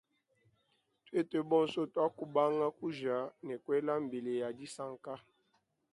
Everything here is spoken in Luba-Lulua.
Twetu bonso twakubanga kuja ne kwela mbila ya disanka.